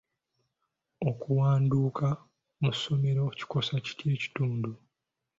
Okuwanduka mu ssomero kikosa kitya ekitundu?